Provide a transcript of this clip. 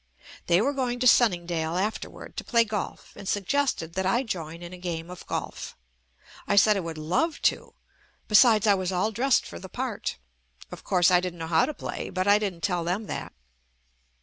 They were going to Sunningdale afterward to play golf and suggested that I join in a game of golf. I said I would love to — besides I was all dressed for the part. Of course, I didn't know how to play, but I didn't tell them that.